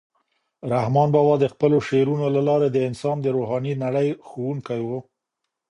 رحمان بابا د خپلو شعرونو له لارې د انسان د روحاني نړۍ ښوونکی و.